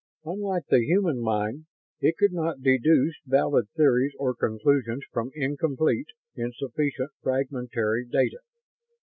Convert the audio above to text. Unlike the human mind, it could not deduce valid theories or conclusions from incomplete, insufficient, fragmentary data.